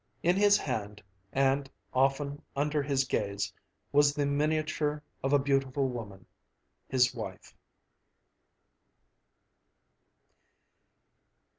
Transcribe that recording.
In his hand, and often under his gaze, was the miniature of a beautiful woman his wife.